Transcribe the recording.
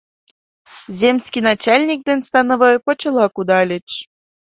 Земский начальник ден становой почела кудальыч.